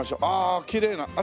ああきれいな。